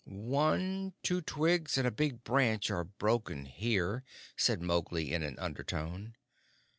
"One, two twigs and a big branch are broken here," said Mowgli, in an undertone.